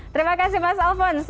terima kasih mas alfons